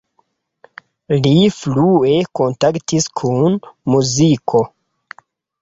Li frue kontaktis kun muziko.